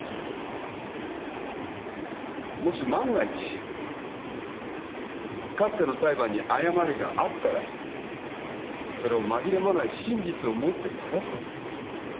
もし万が一かつての裁判に誤りがあったらそれを紛れもない真実をもって正すこと。